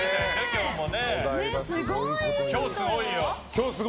今日すごいよ。